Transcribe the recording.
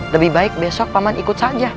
lebih baik besok paman ikut saja